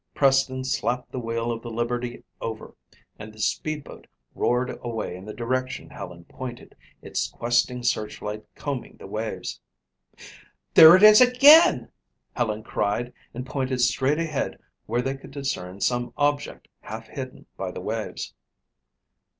Preston slapped the wheel of the Liberty over and the speedboat roared away in the direction Helen pointed, its questing searchlight combing the waves. "There it is again," Helen cried and pointed straight ahead where they could discern some object half hidden by the waves.